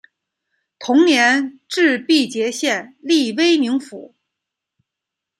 同年置毕节县隶威宁府。